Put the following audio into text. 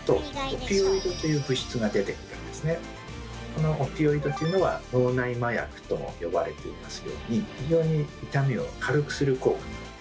このオピオイドというのは脳内麻薬とも呼ばれていますように非常に痛みを軽くする効果があるんですね。